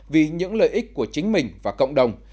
vì những lợi ích của chính mình và cộng đồng